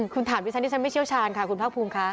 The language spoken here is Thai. คุณถามดิฉันดิฉันไม่เชี่ยวชาญค่ะคุณภาคภูมิค่ะ